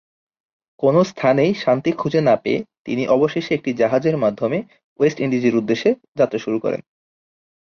কোন স্থানেই শান্তি খুজে না পেয়ে তিনি অবশেষে একটি জাহাজের মাধ্যমে ওয়েস্ট ইন্ডিজের উদ্দেশ্যে যাত্রা শুরু করে।